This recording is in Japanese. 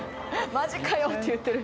「マジかよ」って言ってる。